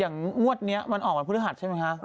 งวดนี้มันออกวันพฤหัสใช่ไหมคะ